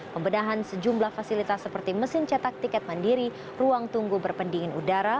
pembedahan sejumlah fasilitas seperti mesin cetak tiket mandiri ruang tunggu berpendingin udara